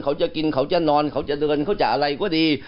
เขาจะกินเขาจะนอนเขาจะเดินเขาจะอะไรก็ดี